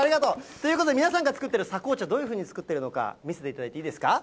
ということで、皆さんが作っている狭紅茶、どういうふうに作ってるのか、見せていただいていいですか。